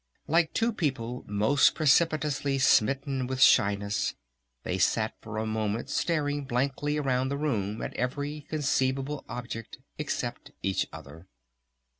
Like two people most precipitously smitten with shyness they sat for a moment staring blankly around the room at every conceivable object except each other.